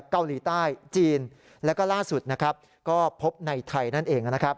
เกาหลีใต้จีนแล้วก็ล่าสุดนะครับก็พบในไทยนั่นเองนะครับ